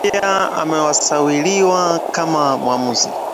Pia amesawiriwa kama mwamuzi